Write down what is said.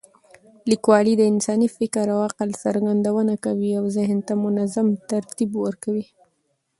لیکوالی د انساني فکر او عقل څرګندونه کوي او ذهن ته منظم ترتیب ورکوي.